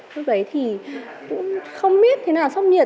lúc đấy thì cũng không biết thế nào sốc nhiệt